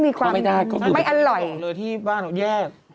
ที่บ้านเขาแยก